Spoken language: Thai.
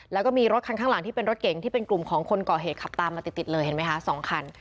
แล้วก็มีรถคันข้างหลังที่เป็นรถเก๋งที่เป็นกลุ่มของคนก่อเหตุขับตามมาติดเลยเห็นไหมคะ๒คัน